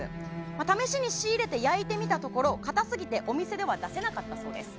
試しに仕入れて焼いてみたところかたすぎてお店では出せなかったそうです。